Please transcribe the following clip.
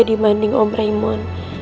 dari om raymond